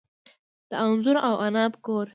د انځر او عناب کور.